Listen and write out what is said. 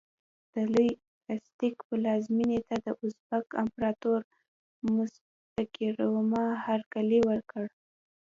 د لوی ازتېک پلازمېنې ته د ازتک امپراتور موکتیزوما هرکلی وکړ.